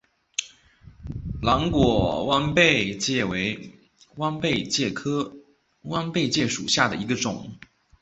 蓝果弯贝介为弯贝介科弯贝介属下的一个种。